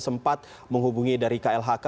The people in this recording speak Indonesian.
sempat menghubungi dari klhk